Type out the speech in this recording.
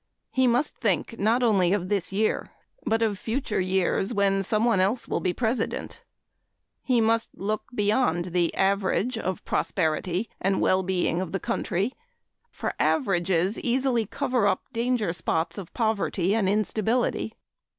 He must think not only of this year but of future years, when someone else will be President. He must look beyond the average of the prosperity and well being of the country, for averages easily cover up danger spots of poverty and instability.